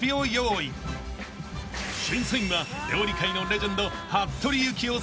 ［審査員は料理界のレジェンド］